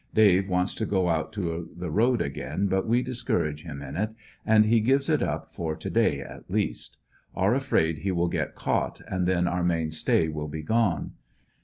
Dave wants to go out to the road again but we discourage him in it, and he gives it up for to day at least. Are afraid he will get caught, and then our main stay will be gone.